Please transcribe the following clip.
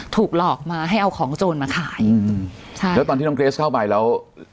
ถูกหลอกมาให้เอาของโจรมาขายอืมใช่แล้วตอนที่น้องเกรสเข้าไปแล้ว